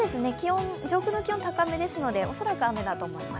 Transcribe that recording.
上空の気温は高めですので恐らく雨だと思います。